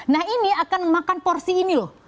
nah ini akan memakan porsi ini loh